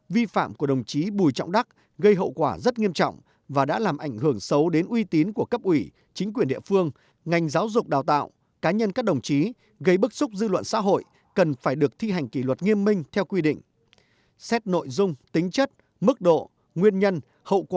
vi phạm của đồng chí bùi trọng đắc gây hậu quả rất nghiêm trọng và đã làm ảnh hưởng xấu đến uy tín của cấp ủy chính quyền địa phương ngành giáo dục đào tạo cá nhân các đồng chí gây bức xúc dư luận xã hội cần phải được thi hành kỷ luật nghiêm minh theo quy định